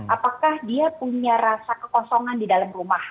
apakah dia punya rasa kekosongan di dalam rumah